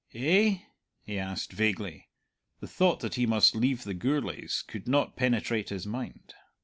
"Eh?" he asked vaguely. The thought that he must leave the Gourlays could not penetrate his mind.